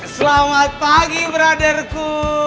selamat pagi brotherku